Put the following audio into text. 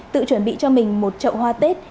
tự chuẩn bị cho mình một trậu hoa tết